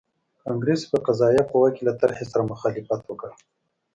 کانګریس په قضایه قوه کې له طرحې سره مخالفت وکړ.